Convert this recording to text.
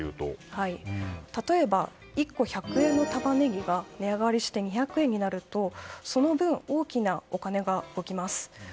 例えば、１個１００円のタマネギが値上がりして２００円になると、その分大きなお金が動きます。